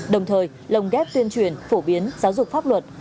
đồng thời lồng ghép tuyên truyền phổ biến giáo dục pháp luật